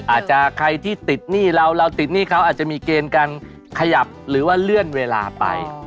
อาจจะใครที่ติดหนี้เราเราติดหนี้เขาอาจจะมีเกณฑ์การขยับหรือว่าเลื่อนเวลาไป